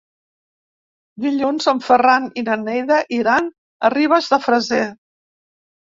Dilluns en Ferran i na Neida iran a Ribes de Freser.